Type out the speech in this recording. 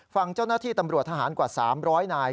ฝั่งเจ้าหน้าที่ตำรวจทหารกว่า๓๐๐นาย